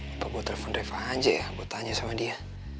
atau gue telepon drive aja ya gue tanya sama dia